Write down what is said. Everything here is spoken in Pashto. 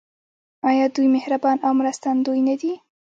آیا دوی مهربان او مرستندوی نه دي؟